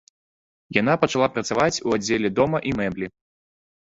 Яна пачала працаваць у аддзеле дома і мэблі.